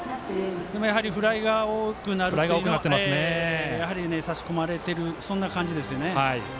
フライが多くなるというのはやはり差し込まれてるそんな感じですね。